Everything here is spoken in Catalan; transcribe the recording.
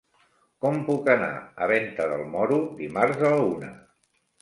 Com puc anar a Venta del Moro dimarts a la una?